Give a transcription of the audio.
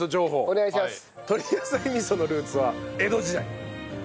お願いします。